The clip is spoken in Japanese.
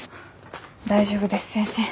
大丈夫です先生。